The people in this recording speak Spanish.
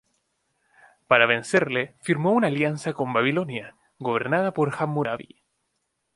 Para vencerle firmó una alianza con Babilonia, gobernada por Hammurabi.